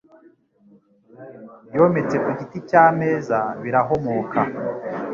yometse ku giti cy'ameza birahomoka